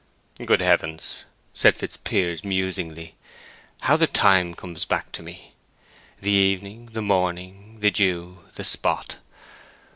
'" "Good Heaven!" said Fitzpiers, musingly. "How the time comes back to me! The evening, the morning, the dew, the spot.